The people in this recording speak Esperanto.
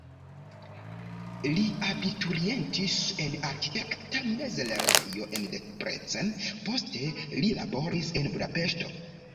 Li abiturientis en arkitekta mezlernejo en Debrecen, poste li laboris en Budapeŝto.